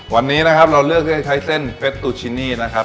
วันนี้นะครับเราเลือกที่จะใช้เส้นเป็ดตูชินีนะครับ